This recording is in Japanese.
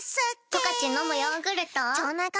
「十勝のむヨーグルト」